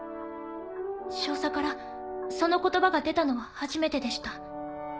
少佐からその言葉が出たのは初めてでした。